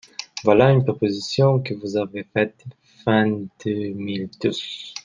Voilà une proposition que vous avez faite fin deux mille douze.